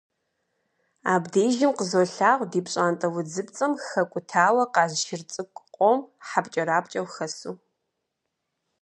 Абдежым къызолъагъу ди пщӀантӀэ удзыпцӀэм хэкӀутауэ къаз шыр цӀыкӀу къом хьэпкӀэрапкӀэу хэсу.